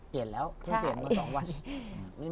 เปลี่ยนแล้วเพิ่งเปลี่ยนมา๒วัน